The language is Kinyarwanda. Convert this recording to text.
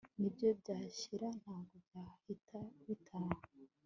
niyo byashira ntago byahita bitaha